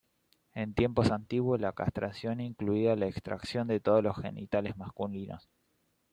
En tiempos antiguos, la castración incluía la extracción de todos los genitales masculinos.